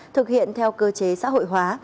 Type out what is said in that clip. thực hiện theo cơ chế xã hội hóa